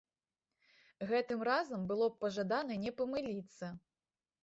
Гэтым разам было б пажадана не памыліцца.